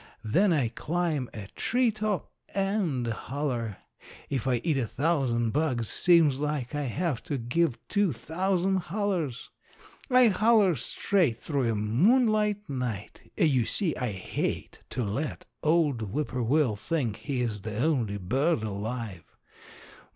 Then I climb a tree top and holler. If I eat a thousand bugs seems like I have to give two thousand hollers. I holler straight through a moonlight night. You see, I hate to let old Whippoorwill think he's the only bird alive.